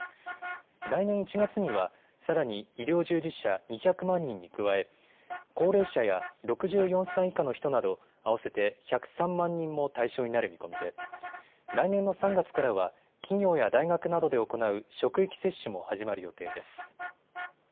来年１月には、さらに医療従事者２００万人に加え高齢者や６４歳以下の人など合わせて１０３万人も対象になる見込みで来年の３月からは企業や大学などで行う職域接種も始まる予定です。